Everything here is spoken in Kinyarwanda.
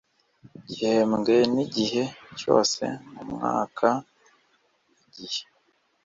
gihembwe n igihe cyose mu mwaka n igihe